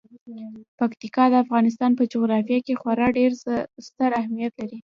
پکتیکا د افغانستان په جغرافیه کې خورا ډیر ستر اهمیت لري.